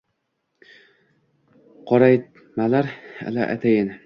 qoraytmalar ila atayin